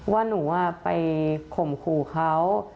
ว่าหนูไปข่มขู่เขา